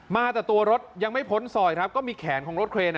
มาแต่ตัวรถยังไม่พ้นซอยครับก็มีแขนของรถเครน